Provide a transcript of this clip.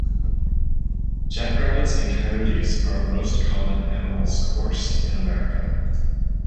Jackrabbits and coyotes are the most common animals coursed in America.